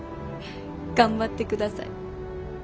頑張ってください。